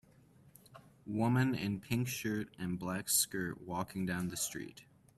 Woman in pink shirt and black skirt walking down the street.